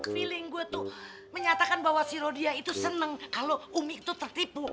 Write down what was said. feeling gue tuh menyatakan bahwa si rodia itu senang kalau umi itu tertipu